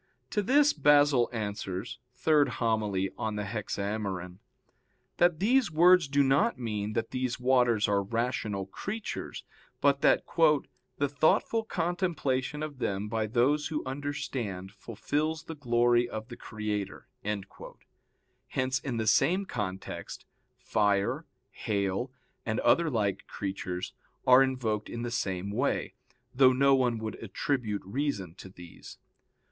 "To this Basil answers (Hom. iii in Hexaem.) that these words do not mean that these waters are rational creatures, but that "the thoughtful contemplation of them by those who understand fulfils the glory of the Creator." Hence in the same context, fire, hail, and other like creatures, are invoked in the same way, though no one would attribute reason to these.